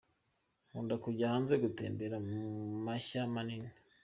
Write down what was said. Nkunda kujya hanze gutembera mu mashya manini.